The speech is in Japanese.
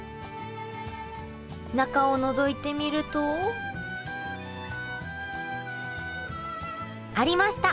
中をのぞいてみるとありました！